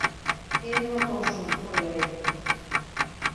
Эн моторжым ойырем